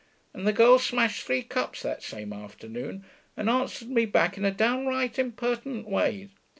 And the girl smashed three cups that same afternoon, and answered me back in a downright impertinent way.